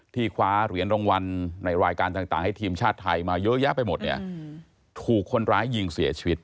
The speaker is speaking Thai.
คว้าเหรียญรางวัลในรายการต่างให้ทีมชาติไทยมาเยอะแยะไปหมดเนี่ยถูกคนร้ายยิงเสียชีวิต